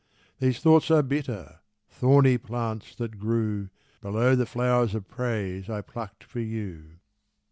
These thoughts are bitter—thorny plants, that grew Below the flowers of praise I plucked for you.